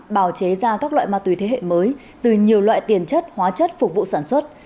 bào chế ra các loại ma túy thế hệ mới từ nhiều loại tiền chất hóa chất phục vụ sản xuất